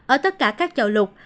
ở tất cả các châu lục